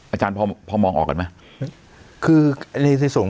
อาจารย์พอพอมองออกกันไหมคือในในส่วนของ